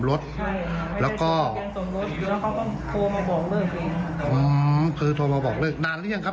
รถแล้วก็โทรมาบอกเลิกคือโทรมาบอกเลิกนานหรือยังครับ